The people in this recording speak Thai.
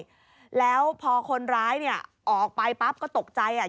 แล้วพอคนร้ายเนี่ยออกไปปั๊บก็ตกใจอ่ะ